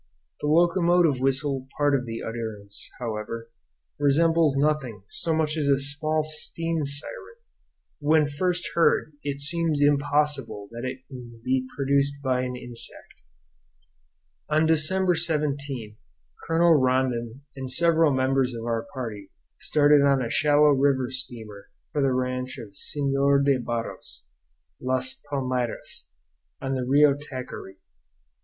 The locomotive whistle part of the utterance, however, resembles nothing so much as a small steam siren; when first heard it seems impossible that it can be produced by an insect. On December 17 Colonel Rondon and several members of our party started on a shallow river steamer for the ranch of Senhor de Barros, "Las Palmeiras," on the Rio Taquary.